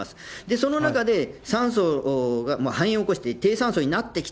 その中で酸素が、肺炎を起こして低酸素になってきた。